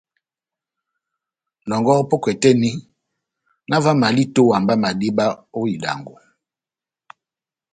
Nɔngɔhɔ pɔ́kɛ tɛ́h eni, na ová omaval a itówa mba madíba ó idango.